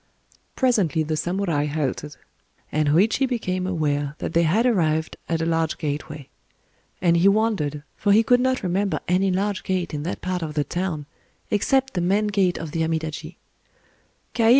Presently the samurai halted; and Hōïchi became aware that they had arrived at a large gateway;—and he wondered, for he could not remember any large gate in that part of the town, except the main gate of the Amidaji.